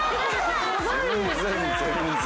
全然全然。